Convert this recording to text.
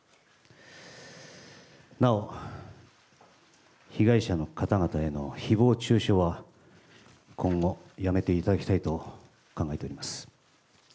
なお、被害者の方々へのひぼう中傷は今後、やめていただきたいと考えております。